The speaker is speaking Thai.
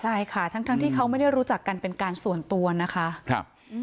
ใช่ค่ะทั้งทั้งที่เขาไม่ได้รู้จักกันเป็นการส่วนตัวนะคะครับ